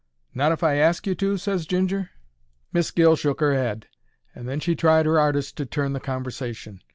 "Not if I ask you to?" ses Ginger. Miss Gill shook 'er 'ead, and then she tried her 'ardest to turn the conversation.